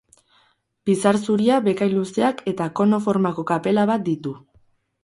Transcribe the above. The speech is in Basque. Bizar zuria, bekain luzeak eta kono formako kapela bat ditu.